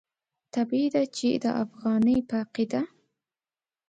طبیعي ده چې د افغاني په عقیده.